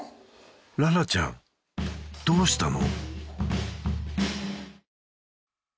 ララちゃんどうしたの？